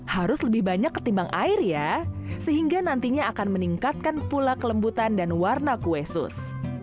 harus lebih banyak ketimbang air ya sehingga nantinya akan meningkatkan pula kelembutan dan warna kue sus